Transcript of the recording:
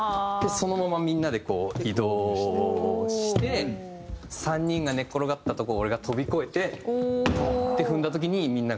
そのままみんなでこう移動して３人が寝転がったとこを俺が跳び越えて。って踏んだ時にみんなが膨らむみたいな。